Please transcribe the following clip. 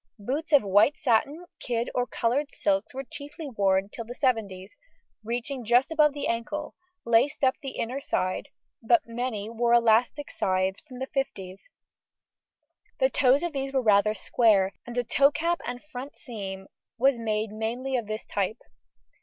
Boots of white satin, kid, or coloured silks were chiefly worn till the seventies, reaching just above the ankle, laced up the inner side, but many wore elastic sides from the fifties; the toes of these were rather square, and a toe cap and front seam was made in many of this type.